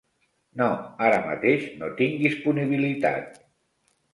No, ara mateix no tinc disponibilitat.